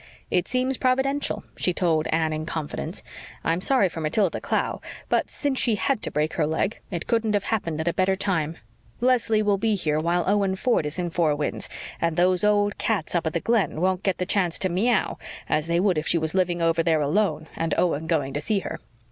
"It seems Providential," she told Anne in confidence. "I'm sorry for Matilda Clow, but since she had to break her leg it couldn't have happened at a better time. Leslie will be here while Owen Ford is in Four Winds, and those old cats up at the Glen won't get the chance to meow, as they would if she was living over there alone and Owen going to see her.